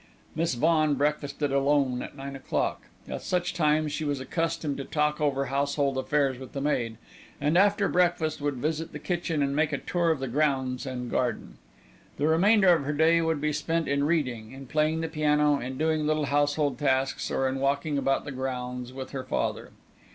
Miss Vaughan breakfasted alone at nine o'clock. At such times, she was accustomed to talk over household affairs with the maid, and after breakfast would visit the kitchen and make a tour of the grounds and garden. The remainder of her day would be spent in reading, in playing the piano, in doing little household tasks, or in walking about the grounds with her father.